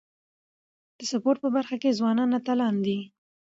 د سپورت په برخه کي ځوانان اتلان دي.